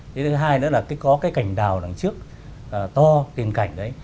thứ hai nữa là có cái cảnh đào đằng trước to tiền cảnh đấy